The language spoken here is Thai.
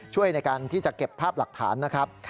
ช่วยในการที่จะเก็บภาพหลักฐานนะครับ